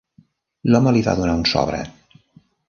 L'home li va donar un sobre.